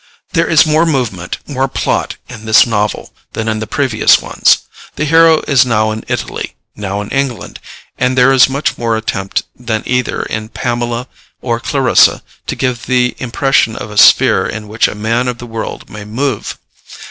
There is more movement, more plot, in this novel than in the previous ones; the hero is now in Italy, now in England, and there is much more attempt than either in Pamela or Clarissa to give the impression of a sphere in which a man of the world may move.